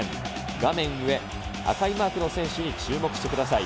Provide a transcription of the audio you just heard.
画面上、赤いマークの選手に注目してください。